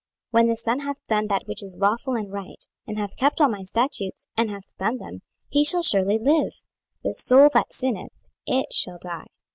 When the son hath done that which is lawful and right, and hath kept all my statutes, and hath done them, he shall surely live. 26:018:020 The soul that sinneth, it shall die.